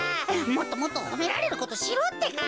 もっともっとほめられることしろってか。